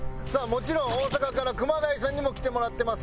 もちろん大阪から熊谷さんにも来てもらってます。